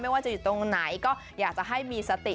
ว่าจะอยู่ตรงไหนก็อยากจะให้มีสติ